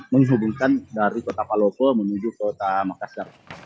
menghubungkan dari kota palopo menuju kota makassar